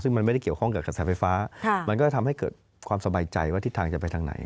ซึ่งมันไม่ได้เกี่ยวข้องกับกระแสไฟฟ้ามันก็ทำให้เกิดความสบายใจว่าทิศทางจะไปทางไหน